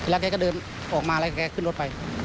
แกก็เดินออกมาแล้วก็แกขึ้นรถไป